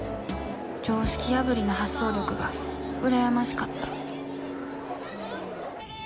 常識破りな発想力が羨ましかった。